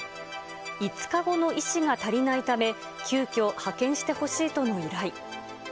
５日後の医師が足りないため、急きょ派遣してほしいとの依頼。